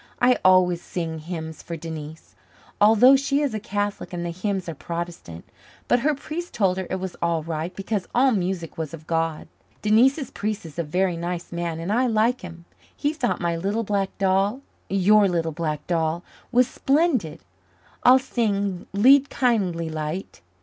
I always sing hymns for Denise, although she is a Catholic and the hymns are Protestant. But her priest told her it was all right, because all music was of God. Denise's priest is a very nice man, and I like him. He thought my little black doll your little black doll was splendid. I'll sing 'Lead, Kindly Light.'